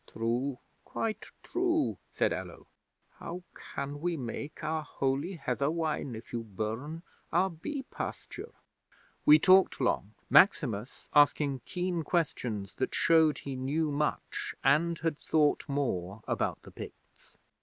'"True, quite true," said Allo. "How can we make our holy heather wine, if you burn our bee pasture?" 'We talked long, Maximus asking keen questions that showed he knew much and had thought more about the Picts.